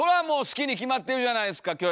もう好きに決まってるじゃないですか！